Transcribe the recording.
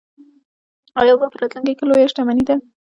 اوبه په راتلونکي کې لویه شتمني ده.